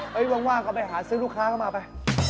เฮ้ยว่างกลับไปหาซื้อลูกค้าก็มาไป